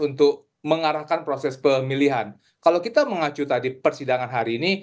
untuk mengarahkan proses pemilihan kalau kita mengacu tadi persidangan hari ini